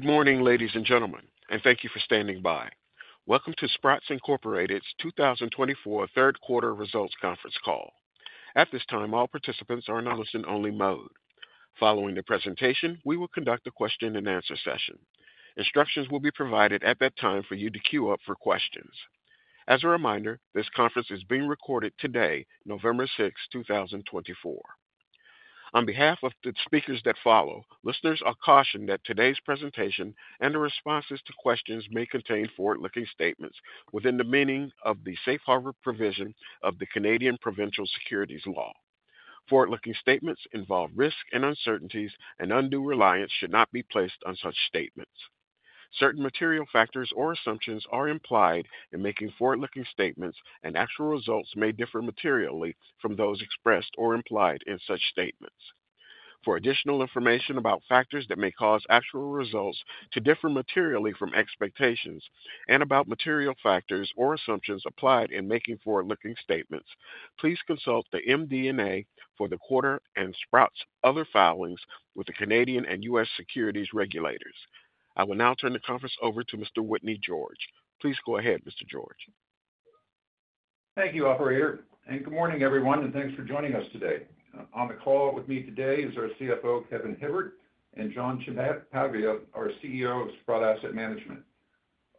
Good morning, ladies and gentlemen, and thank you for standing by. Welcome to Sprott Inc.'s 2024 Third Quarter Results Conference Call. At this time, all participants are in a listen-only mode. Following the presentation, we will conduct a question-and-answer session. Instructions will be provided at that time for you to queue up for questions. As a reminder, this conference is being recorded today, November 6, 2024. On behalf of the speakers that follow, listeners are cautioned that today's presentation and the responses to questions may contain forward-looking statements within the meaning of the safe harbor provision of the Canadian provincial securities laws. Forward-looking statements involve risk and uncertainties, and undue reliance should not be placed on such statements. Certain material factors or assumptions are implied in making forward-looking statements, and actual results may differ materially from those expressed or implied in such statements. For additional information about factors that may cause actual results to differ materially from expectations, and about material factors or assumptions applied in making forward-looking statements, please consult the MD&A for the quarter and Sprott's other filings with the Canadian and U.S. securities regulators. I will now turn the conference over to Mr. Whitney George. Please go ahead, Mr. George. Thank you, Operator, and good morning, everyone, and thanks for joining us today. On the call with me today is our CFO, Kevin Hibbert, and John Ciampaglia, our CEO of Sprott Asset Management.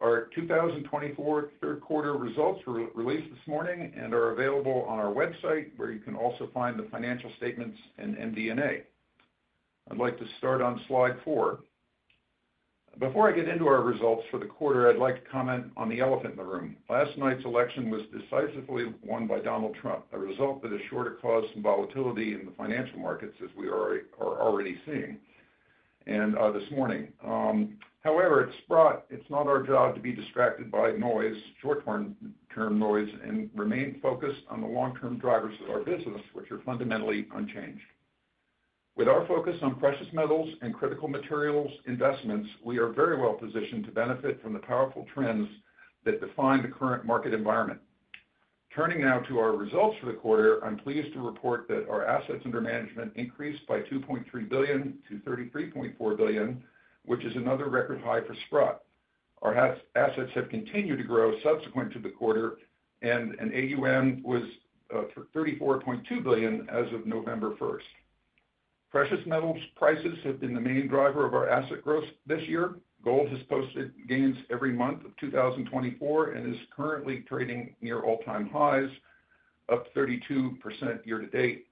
Our 2024 Q3 results were released this morning and are available on our website, where you can also find the financial statements and MD&A. I'd like to start on slide four. Before I get into our results for the quarter, I'd like to comment on the elephant in the room. Last night's election was decisively won by Donald Trump, a result that is sure to cause some volatility in the financial markets, as we are already seeing this morning. However, at Sprott, it's not our job to be distracted by noise, short-term noise, and remain focused on the long-term drivers of our business, which are fundamentally unchanged. With our focus on precious metals and critical materials investments, we are very well positioned to benefit from the powerful trends that define the current market environment. Turning now to our results for the quarter, I'm pleased to report that our assets under management increased by $2.3 billion to $33.4 billion, which is another record high for Sprott. Our assets have continued to grow subsequent to the quarter, and AUM was $34.2 billion as of November 1. Precious metals prices have been the main driver of our asset growth this year. Gold has posted gains every month of 2024 and is currently trading near all-time highs, up 32% year to date,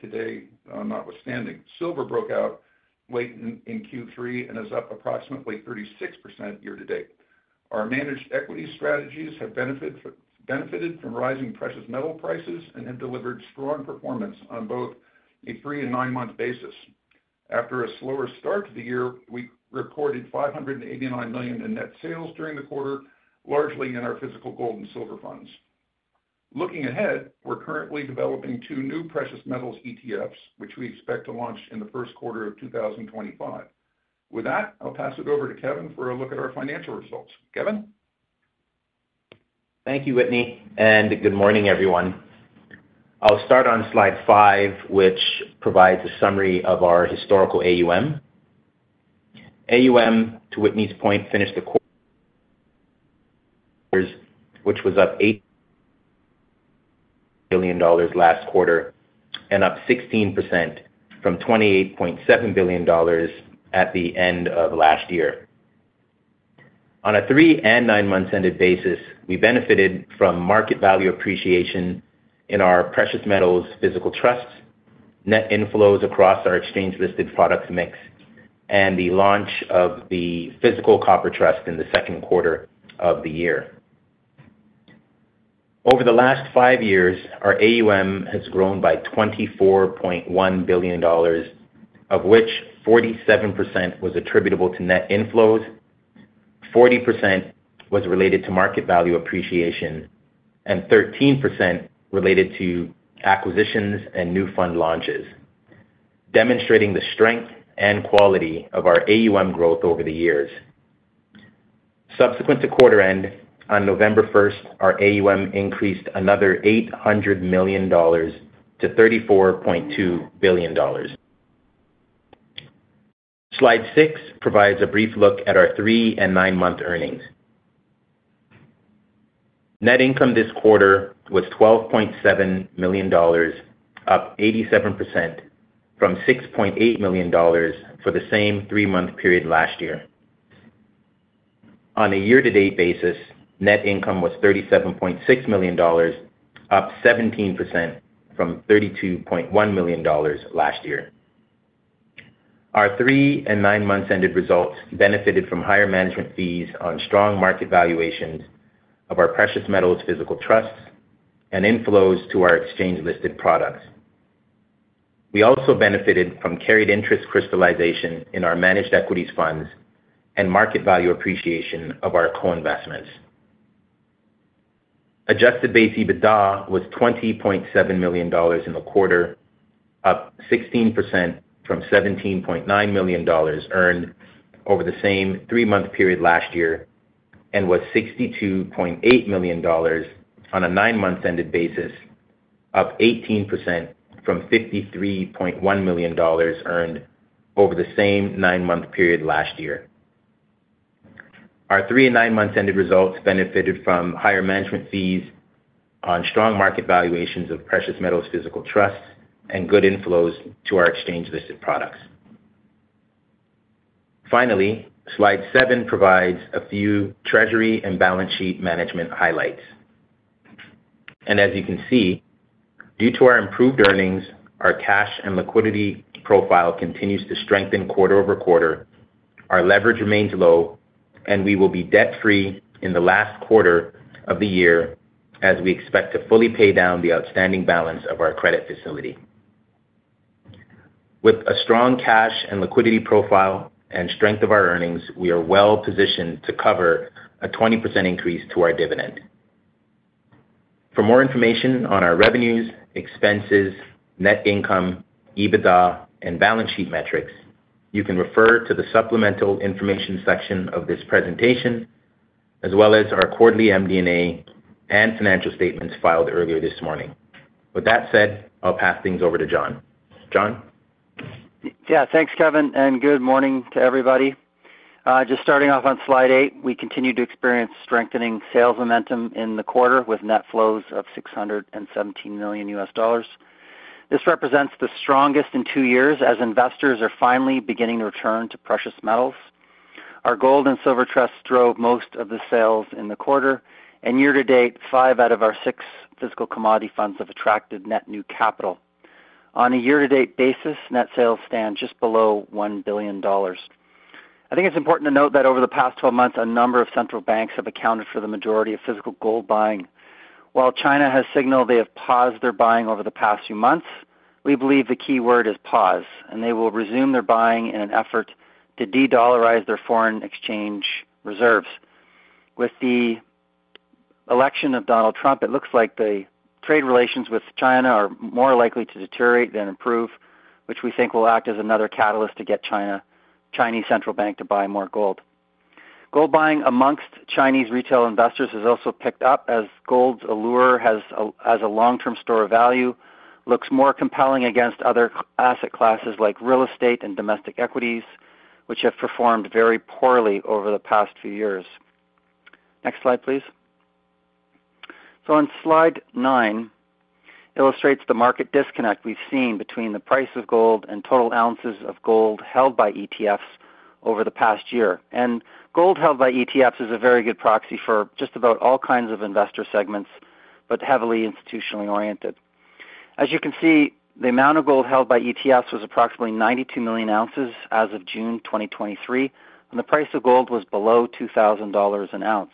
today notwithstanding. Silver broke out late in Q3 and is up approximately 36% year to date. Our managed equity strategies have benefited from rising precious metal prices and have delivered strong performance on both a three and nine-month basis. After a slower start to the year, we recorded $589 million in net sales during the quarter, largely in our physical gold and silver funds. Looking ahead, we're currently developing two new precious metals ETFs, which we expect to launch in the first quarter of 2025. With that, I'll pass it over to Kevin for a look at our financial results. Kevin. Thank you, Whitney, and good morning, everyone. I'll start on slide five, which provides a summary of our historical AUM. AUM, to Whitney's point, finished the quarter, which was up $8 billion last quarter and up 16% from $28.7 billion at the end of last year. On a three and nine-months ended basis, we benefited from market value appreciation in our precious metals physical trusts, net inflows across our exchange-listed products mix, and the launch of the Physical Copper Trust in the second quarter of the year. Over the last five years, our AUM has grown by $24.1 billion, of which 47% was attributable to net inflows, 40% was related to market value appreciation, and 13% related to acquisitions and new fund launches, demonstrating the strength and quality of our AUM growth over the years. Subsequent to quarter end, on November 1, our AUM increased another $800 million to $34.2 billion. Slide six provides a brief look at our three and nine-month earnings. Net income this quarter was $12.7 million, up 87% from $6.8 million for the same three-month period last year. On a year-to-date basis, net income was $37.6 million, up 17% from $32.1 million last year. Our three and nine-months ended results benefited from higher management fees on strong market valuations of our precious metals physical trusts and inflows to our exchange-listed products. We also benefited from carried interest crystallization in our managed equities funds and market value appreciation of our co-investments. Adjusted base EBITDA was $20.7 million in the quarter, up 16% from $17.9 million earned over the same three-month period last year, and was $62.8 million on a nine-months ended basis, up 18% from $53.1 million earned over the same nine-month period last year. Our three and nine-months ended results benefited from higher management fees on strong market valuations of precious metals physical trusts and good inflows to our exchange-listed products. Finally, slide seven provides a few treasury and balance sheet management highlights, and as you can see, due to our improved earnings, our cash and liquidity profile continues to strengthen quarter over quarter. Our leverage remains low, and we will be debt-free in the last quarter of the year as we expect to fully pay down the outstanding balance of our credit facility. With a strong cash and liquidity profile and strength of our earnings, we are well positioned to cover a 20% increase to our dividend. For more information on our revenues, expenses, net income, EBITDA, and balance sheet metrics, you can refer to the supplemental information section of this presentation, as well as our quarterly MD&A and financial statements filed earlier this morning. With that said, I'll pass things over to John. John. Yeah, thanks, Kevin, and good morning to everybody. Just starting off on slide eight, we continue to experience strengthening sales momentum in the quarter with net flows of $617 million. This represents the strongest in two years as investors are finally beginning to return to precious metals. Our gold and silver trusts drove most of the sales in the quarter, and year-to-date, five out of our six physical commodity funds have attracted net new capital. On a year-to-date basis, net sales stand just below $1 billion. I think it's important to note that over the past 12 months, a number of central banks have accounted for the majority of physical gold buying. While China has signaled they have paused their buying over the past few months, we believe the key word is pause, and they will resume their buying in an effort to de-dollarize their foreign exchange reserves. With the election of Donald Trump, it looks like the trade relations with China are more likely to deteriorate than improve, which we think will act as another catalyst to get China's central bank to buy more gold. Gold buying among Chinese retail investors has also picked up as gold's allure as a long-term store of value looks more compelling against other asset classes like real estate and domestic equities, which have performed very poorly over the past few years. Next slide, please, so on slide nine illustrates the market disconnect we've seen between the price of gold and total ounces of gold held by ETFs over the past year, and gold held by ETFs is a very good proxy for just about all kinds of investor segments, but heavily institutionally oriented. As you can see, the amount of gold held by ETFs was approximately 92 million ounces as of June 2023, and the price of gold was below $2,000 an ounce.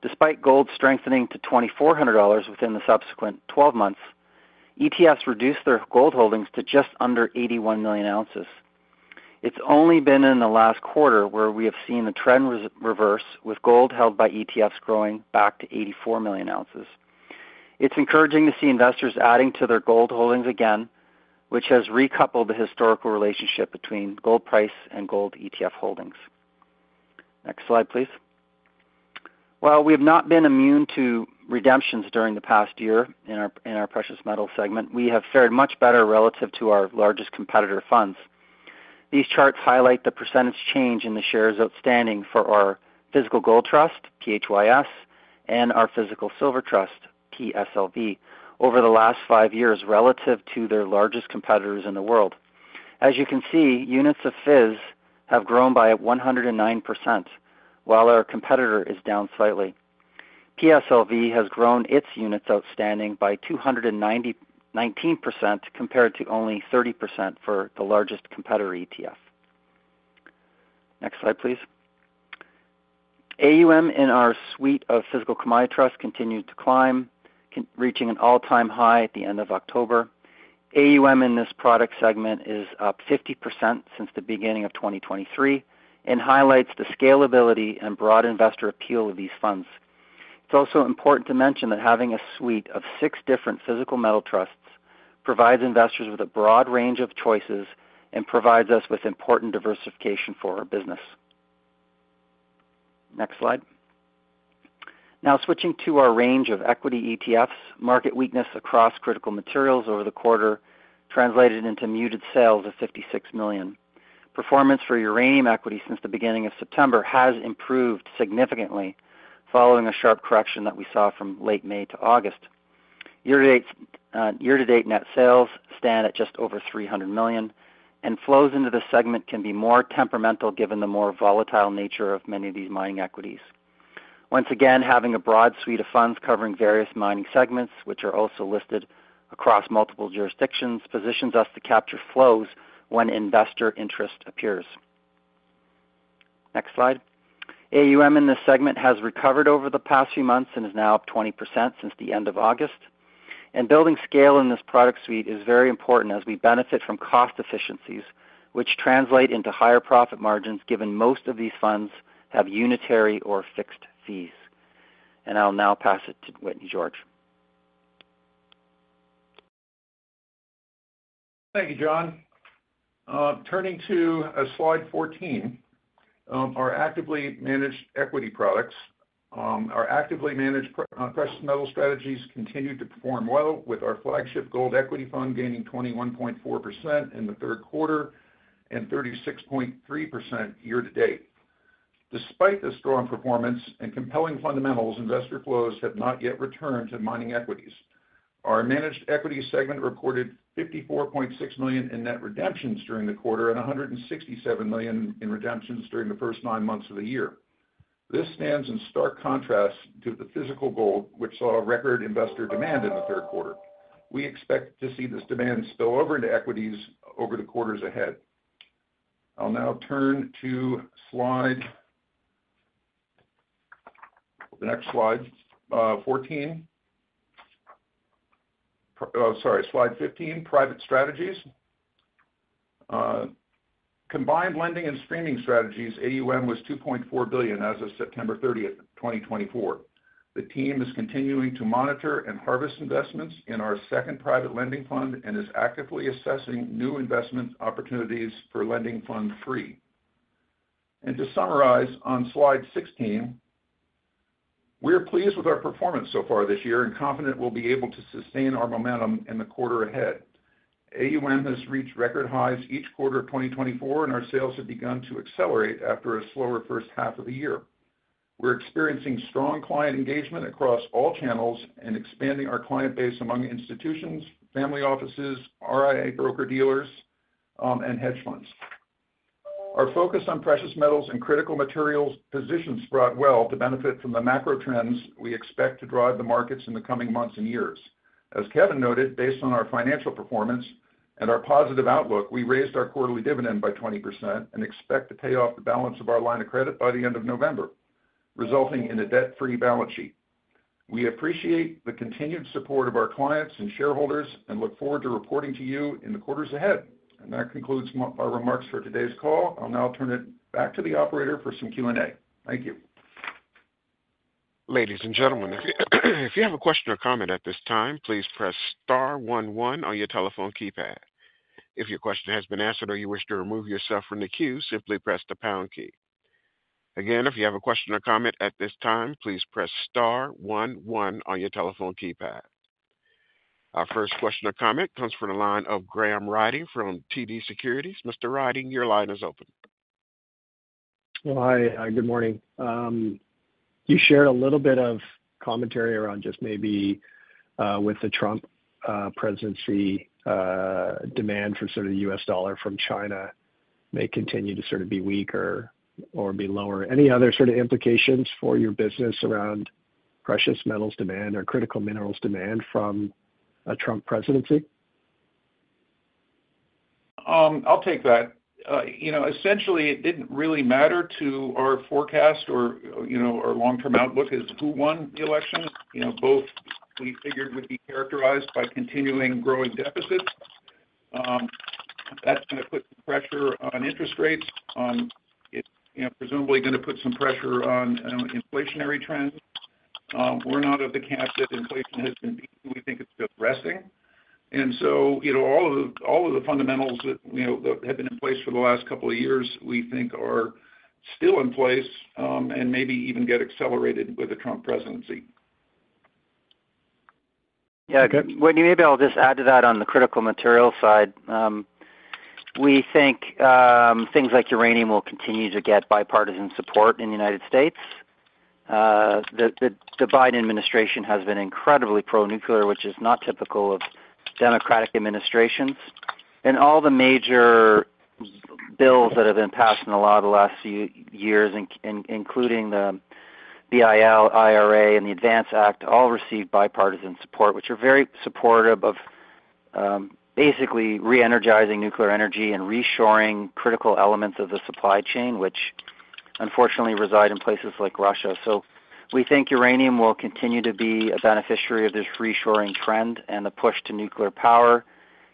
Despite gold strengthening to $2,400 within the subsequent 12 months, ETFs reduced their gold holdings to just under 81 million ounces. It's only been in the last quarter where we have seen the trend reverse, with gold held by ETFs growing back to 84 million ounces. It's encouraging to see investors adding to their gold holdings again, which has recoupled the historical relationship between gold price and gold ETF holdings. Next slide, please. While we have not been immune to redemptions during the past year in our precious metals segment, we have fared much better relative to our largest competitor funds. These charts highlight the percentage change in the shares outstanding for our physical gold trust, PHYS, and our Physical Silver Trust, PSLV, over the last five years relative to their largest competitors in the world. As you can see, units of PHYS have grown by 109%, while our competitor is down slightly. PSLV has grown its units outstanding by 219% compared to only 30% for the largest competitor ETF. Next slide, please. AUM in our suite of physical commodity trusts continued to climb, reaching an all-time high at the end of October. AUM in this product segment is up 50% since the beginning of 2023 and highlights the scalability and broad investor appeal of these funds. It's also important to mention that having a suite of six different physical metal trusts provides investors with a broad range of choices and provides us with important diversification for our business. Next slide. Now switching to our range of equity ETFs, market weakness across critical materials over the quarter translated into muted sales of $56 million. Performance for uranium equity since the beginning of September has improved significantly following a sharp correction that we saw from late May to August. Year-to-date net sales stand at just over $300 million, and flows into the segment can be more temperamental given the more volatile nature of many of these mining equities. Once again, having a broad suite of funds covering various mining segments, which are also listed across multiple jurisdictions, positions us to capture flows when investor interest appears. Next slide. AUM in this segment has recovered over the past few months and is now up 20% since the end of August. Building scale in this product suite is very important as we benefit from cost efficiencies, which translate into higher profit margins given most of these funds have unitary or fixed fees. I'll now pass it to Whitney George. Thank you, John. Turning to slide 14, our actively managed equity products. Our actively managed precious metal strategies continue to perform well, with our flagship gold equity fund gaining 21.4% in the third quarter and 36.3% year-to-date. Despite the strong performance and compelling fundamentals, investor flows have not yet returned to mining equities. Our managed equity segment reported $54.6 million in net redemptions during the quarter and $167 million in redemptions during the first nine months of the year. This stands in stark contrast to the physical gold, which saw record investor demand in the third quarter. We expect to see this demand spill over into equities over the quarters ahead. I'll now turn to slide, the next slide, 14. Oh, sorry, slide 15, private strategies. Combined lending and streaming strategies, AUM was $2.4 billion as of September 30, 2024. The team is continuing to monitor and harvest investments in our second private lending fund and is actively assessing new investment opportunities for lending fund three. And to summarize on slide 16, we're pleased with our performance so far this year and confident we'll be able to sustain our momentum in the quarter ahead. AUM has reached record highs each quarter of 2024, and our sales have begun to accelerate after a slower first half of the year. We're experiencing strong client engagement across all channels and expanding our client base among institutions, family offices, RIA broker-dealers, and hedge funds. Our focus on precious metals and critical materials positions Sprott well to benefit from the macro trends we expect to drive the markets in the coming months and years. As Kevin noted, based on our financial performance and our positive outlook, we raised our quarterly dividend by 20% and expect to pay off the balance of our line of credit by the end of November, resulting in a debt-free balance sheet. We appreciate the continued support of our clients and shareholders and look forward to reporting to you in the quarters ahead. And that concludes my remarks for today's call. I'll now turn it back to the operator for some Q&A. Thank you. Ladies and gentlemen, if you have a question or comment at this time, please press star 11 on your telephone keypad. If your question has been answered or you wish to remove yourself from the queue, simply press the pound key. Again, if you have a question or comment at this time, please press star 11 on your telephone keypad. Our first question or comment comes from the line of Graham Ryding from TD Securities. Mr. Ryding, your line is open. Hi, good morning. You shared a little bit of commentary around just maybe with the Trump presidency demand for sort of the U.S. dollar from China may continue to sort of be weaker or be lower. Any other sort of implications for your business around precious metals demand or critical minerals demand from a Trump presidency? I'll take that. Essentially, it didn't really matter to our forecast or long-term outlook as to who won the election. Both we figured would be characterized by continuing growing deficits. That's going to put pressure on interest rates. It's presumably going to put some pressure on inflationary trends. We're not of the camp that inflation has been beaten. We think it's just resting, and so all of the fundamentals that have been in place for the last couple of years, we think, are still in place and maybe even get accelerated with the Trump presidency. Yeah, Whitney, maybe I'll just add to that on the critical material side. We think things like uranium will continue to get bipartisan support in the United States. The Biden administration has been incredibly pro-nuclear, which is not typical of democratic administrations, and all the major bills that have been passed in the last few years, including the BIL, IRA, and the ADVANCE Act, all received bipartisan support, which are very supportive of basically re-energizing nuclear energy and reshoring critical elements of the supply chain, which unfortunately reside in places like Russia. So we think uranium will continue to be a beneficiary of this reshoring trend and the push to nuclear power,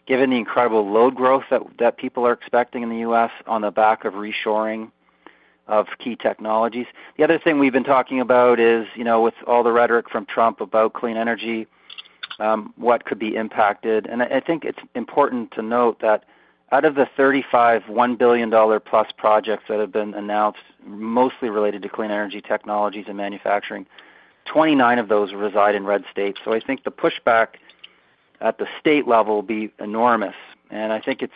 given the incredible load growth that people are expecting in the US on the back of reshoring of key technologies. The other thing we've been talking about is with all the rhetoric from Trump about clean energy, what could be impacted, and I think it's important to note that out of the 35 $1 billion plus projects that have been announced, mostly related to clean energy technologies and manufacturing, 29 of those reside in red states, so I think the pushback at the state level will be enormous, and I think it's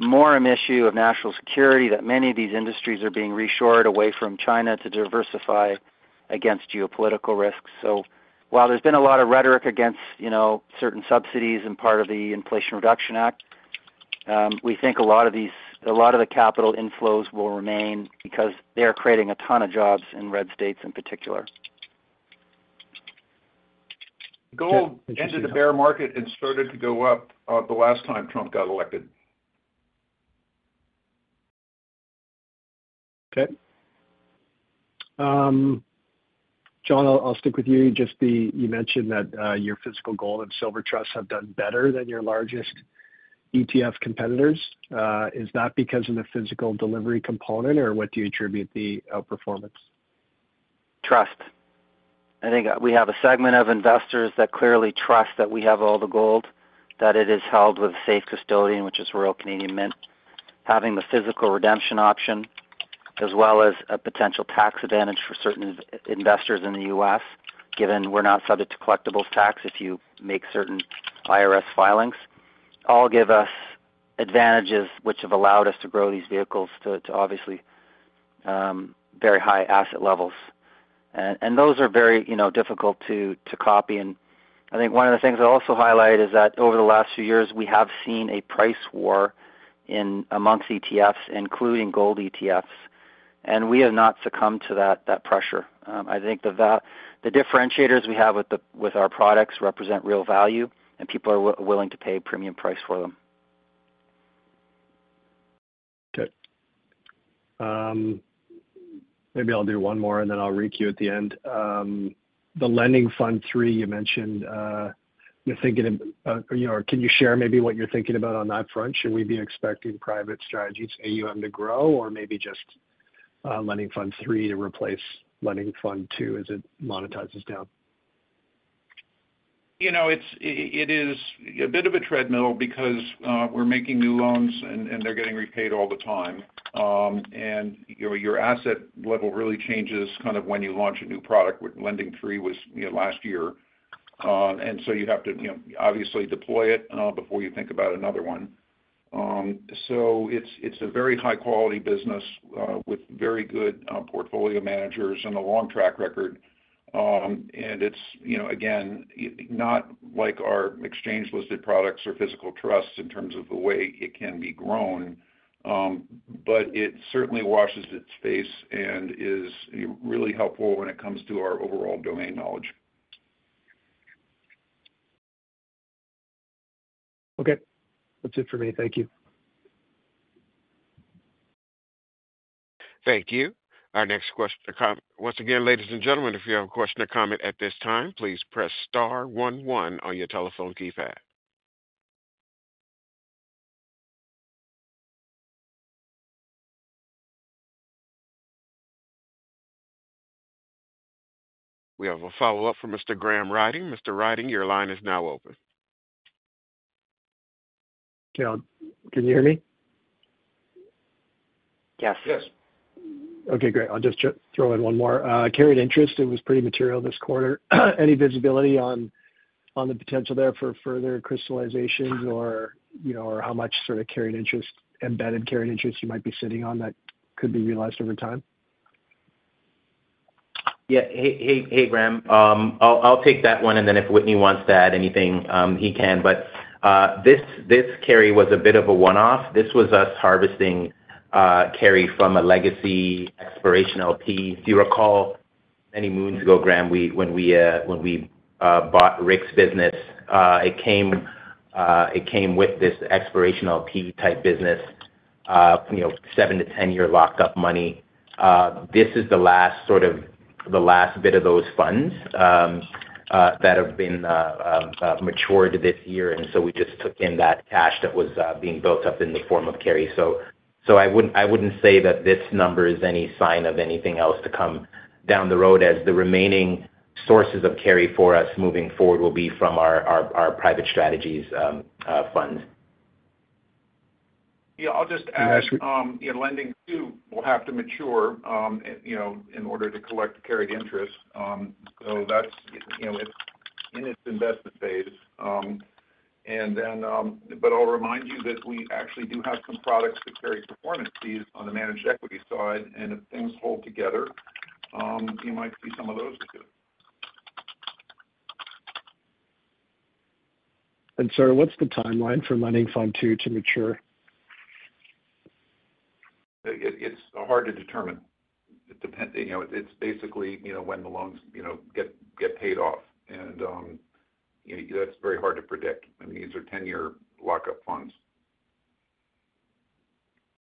more an issue of national security that many of these industries are being reshored away from China to diversify against geopolitical risks, so while there's been a lot of rhetoric against certain subsidies and part of the Inflation Reduction Act, we think a lot of the capital inflows will remain because they are creating a ton of jobs in red states in particular. Gold entered the bear market and started to go up the last time Trump got elected. Okay. John, I'll stick with you. You mentioned that your physical gold and silver trusts have done better than your largest ETF competitors. Is that because of the physical delivery component, or what do you attribute the outperformance? Trust. I think we have a segment of investors that clearly trust that we have all the gold, that it is held with a safe custodian, which is Royal Canadian Mint, having the physical redemption option, as well as a potential tax advantage for certain investors in the U.S., given we're not subject to collectibles tax if you make certain IRS filings. All give us advantages which have allowed us to grow these vehicles to obviously very high asset levels, and those are very difficult to copy. I think one of the things I'll also highlight is that over the last few years, we have seen a price war among ETFs, including gold ETFs. We have not succumbed to that pressure. I think the differentiators we have with our products represent real value, and people are willing to pay a premium price for them. Okay. Maybe I'll do one more, and then I'll read you at the end. The lending fund III, you mentioned you're thinking of, or can you share maybe what you're thinking about on that front? Should we be expecting private strategies, AUM, to grow, or maybe just lending fund three to replace lending fund II as it monetizes down? It is a bit of a treadmill because we're making new loans, and they're getting repaid all the time, and your asset level really changes kind of when you launch a new product, which lending III was last year, and so you have to obviously deploy it before you think about another one, so it's a very high-quality business with very good portfolio managers and a long track record, and it's, again, not like our exchange-listed products or physical trusts in terms of the way it can be grown, but it certainly washes its face and is really helpful when it comes to our overall domain knowledge. Okay. That's it for me. Thank you. Thank you. Our next question, once again, ladies and gentlemen, if you have a question or comment at this time, please press star 11 on your telephone keypad. We have a follow-up from Mr. Graham Ryding. Mr. Ryding, your line is now open. Can you hear me? Yes. Yes. Okay, great. I'll just throw in one more. Carried interest, it was pretty material this quarter. Any visibility on the potential there for further crystallizations or how much sort of carried interest, embedded carried interest you might be sitting on that could be realized over time? Yeah. Hey, Graham, I'll take that one. And then if Whitney wants that, anything he can. But this carry was a bit of a one-off. This was us harvesting carry from a legacy Exploration LP. Do you recall many moons ago, Graham, when we bought Rick's business? It came with this Exploration LP type business, 7- to 10-year locked-up money. This is the last sort of the last bit of those funds that have been matured this year. And so we just took in that cash that was being built up in the form of carry. So I wouldn't say that this number is any sign of anything else to come down the road as the remaining sources of carry for us moving forward will be from our private strategies fund. Yeah, I'll just add Lending II will have to mature in order to collect carried interest. So that's in its investment phase. And then, but I'll remind you that we actually do have some products that carry performance fees on the managed equity side. And if things hold together, you might see some of those too. Sorry, what's the timeline for Lending Fund II to mature? It's hard to determine. It's basically when the loans get paid off, and that's very hard to predict. I mean, these are 10-year lock-up funds.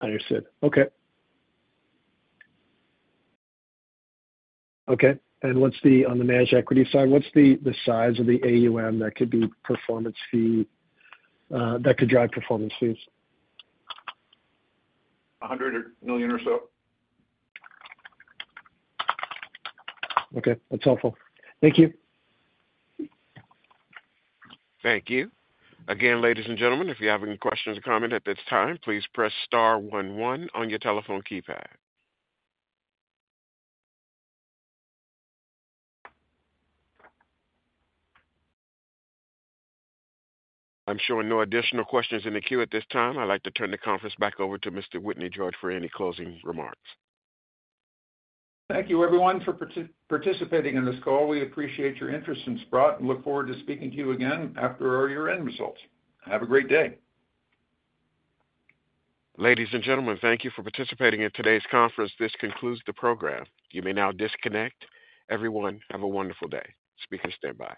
Understood. Okay. Okay. And on the managed equity side, what's the size of the AUM that could be performance fee that could drive performance fees? $100 million or so. Okay. That's helpful. Thank you. Thank you. Again, ladies and gentlemen, if you have any questions or comments at this time, please press star 11 on your telephone keypad. I'm showing no additional questions in the queue at this time. I'd like to turn the conference back over to Mr. Whitney George for any closing remarks. Thank you, everyone, for participating in this call. We appreciate your interest in Sprott and look forward to speaking to you again after our year-end results. Have a great day. Ladies and gentlemen, thank you for participating in today's conference. This concludes the program. You may now disconnect. Everyone, have a wonderful day. Speaker standby.